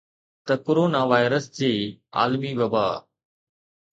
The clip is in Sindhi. ته ڪرونا وائرس جي عالمي وبا